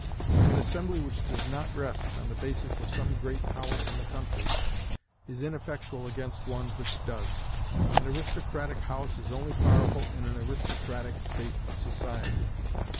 An assembly which does not rest on the basis of some great power in the country is ineffectual against one which does. An aristocratic House is only powerful in an aristocratic state of society.